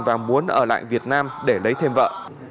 và muốn ở lại việt nam để lấy thêm vợ